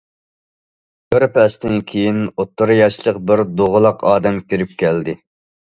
بىر پەستىن كېيىن ئوتتۇرا ياشلىق بىر دوغىلاق ئادەم كىرىپ كەلدى.